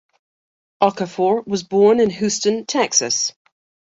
Okafor was born in Houston, Texas.